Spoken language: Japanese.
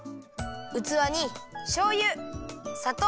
うつわにしょうゆさとう。